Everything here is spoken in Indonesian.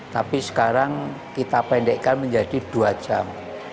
tapi sekarang kita pendekkan menjadi dua jam